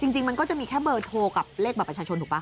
จริงมันก็จะมีแค่เบอร์โทรกับเลขบัตรประชาชนถูกป่